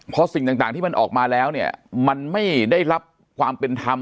พอสิ่งต่างที่มันออกมาแล้วเนี่ยมันไม่ได้รับความเป็นธรรม